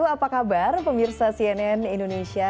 apa kabar pemirsa cnn indonesia